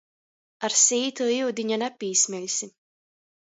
Ar sītu iudiņa napīsmeļsi.